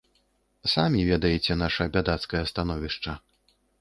Самі ведаеце наша бядацкае становішча.